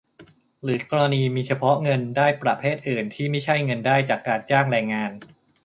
หรือกรณีมีเฉพาะเงินได้ประเภทอื่นที่ไม่ใช่เงินได้จากการจ้างแรงงาน